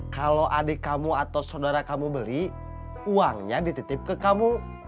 kalau adik kamu atau saudara kamu beli uangnya dititip ke kamu